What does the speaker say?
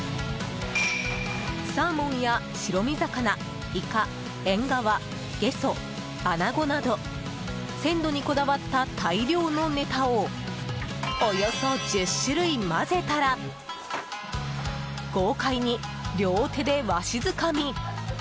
サーモンや、白身魚、イカエンガワ、ゲソ、アナゴなど鮮度にこだわった大量のネタをおよそ１０種類混ぜたら豪快に両手でわしづかみ。